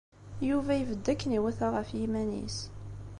Yuba ibedd akken iwata ɣef yiman-is.